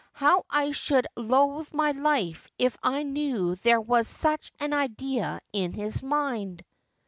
how T should loathe my life if I knew there was such an idea in his mind